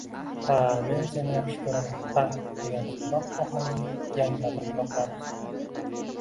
Ha, men seni yaxshi ko‘raman, ha... — degan titroq ohang yangrardi quloqlari ostida.